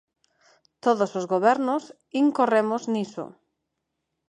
Todos os gobernos incorremos niso.